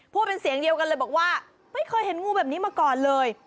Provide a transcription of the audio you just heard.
พูดเป็นเสียงเดียวกันเลยบอกว่าไม่เคยเห็นงูแบบนี้มาก่อนเลย